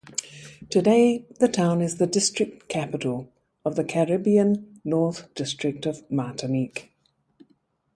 Today, the town is the district capital of the Caribbean North district of Martinique.